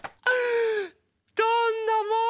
どんなもんよ。